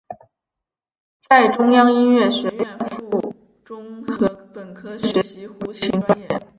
在中央音乐学院附中和本科学习胡琴专业。